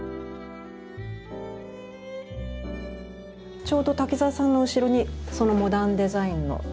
ちょうど滝沢さんの後ろにそのモダンデザインのドレスが。